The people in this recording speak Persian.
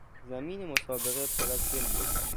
زمین مسابقه پر از گل بود.